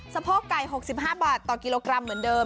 โพกไก่๖๕บาทต่อกิโลกรัมเหมือนเดิม